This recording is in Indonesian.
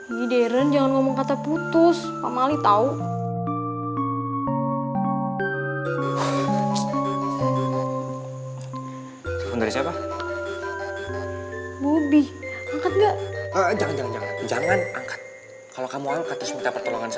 ii deren jangan ngomong kata putus